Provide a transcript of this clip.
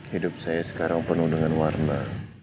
hidup saya sekarang penuh dengan warna